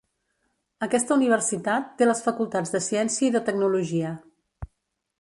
Aquesta universitat té les facultats de ciència i de tecnologia.